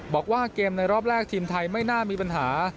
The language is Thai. บอกว่าเกมในรอบแรกทีมไทยไม่น่ามีปัญหา